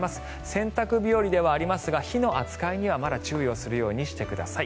洗濯日和ではありますが火の扱いにはまだ注意をするようにしてください。